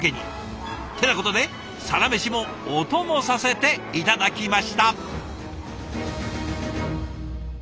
ってなことで「サラメシ」もお供させて頂きました！